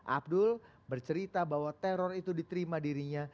abdul bercerita bahwa teror itu diterima dirinya